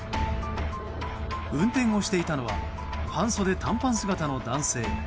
運転をしていたのは半袖短パン姿の男性。